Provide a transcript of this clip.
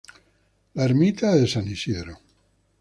La Ermita de San Isidro.